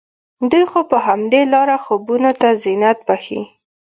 دوی خو په همدې لاره خوبونو ته زينت بښي